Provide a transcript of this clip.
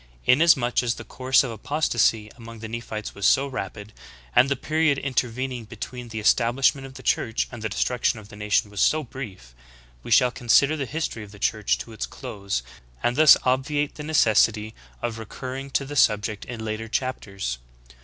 Inasmuch as the course of apostasy among the Nephites was so rapid, and the period intervening between the establishment of the Church and the destruction of the nation was so brief, we shall consider the history of the Church to its close, and thus obviate the necessity of recur ring to the subject in later chapters.